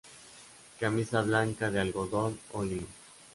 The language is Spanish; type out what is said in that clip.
Camisa blanca de algodón o hilo.